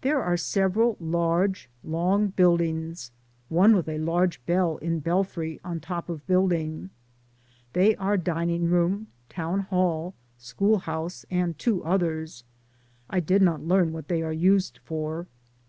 There are several large, long buildings, one with a large bell in belfry on top of building. They are dining hall, town hall, school house and two others. I did not learn what they are used for.